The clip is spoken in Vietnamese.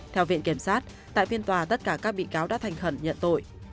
theo viện kiểm sát tại phiên tòa tất cả các bị cáo đã thành khẩn nhận tội